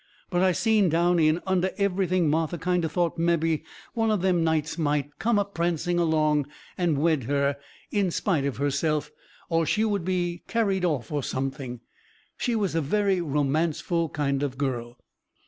But I seen down in under everything Martha kind o' thought mebby one of them nights might come a prancing along and wed her in spite of herself, or she would be carried off, or something. She was a very romanceful kind of girl.